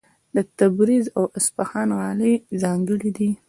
د تبریز او اصفهان غالۍ ځانګړې دي.